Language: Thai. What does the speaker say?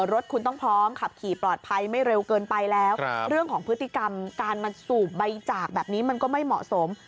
รถคุณต้องพร้อมขับขี่ปลอดภัยไม่เร็วเกินไปแล้วเรื่องของพฤติกรรมการมาสูบใบจากแบบนี้มันก็ไม่เหมาะสม